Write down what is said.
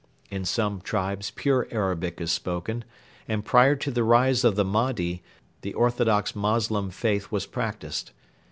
In some tribes pure Arabic is spoken, and prior to the rise of the Mahdi the orthodox Moslem faith was practised.